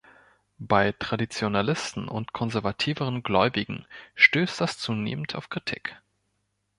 Bei Traditionalisten und konservativeren Gläubigen stößt das zunehmend auf Kritik.